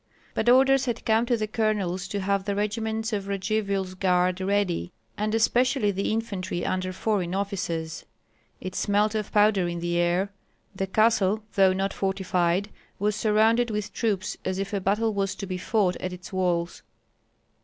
But orders had come to the colonels to have the regiments of Radzivill's guard ready, and especially the infantry under foreign officers. It smelt of powder in the air. The castle, though not fortified, was surrounded with troops as if a battle was to be fought at its walls.